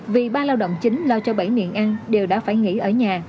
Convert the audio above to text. vì ba lao động chính lo cho bảy miệng ăn đều đã phải nghỉ ở nhà